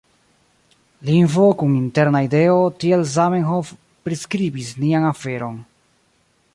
Lingvo kun interna ideo tiel Zamenhof priskribis nian aferon.